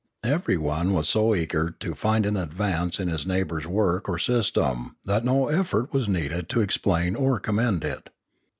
Everyone was so eager to find an advance in his neigh bour's work or system that no effort was needed to ex plain or commend it.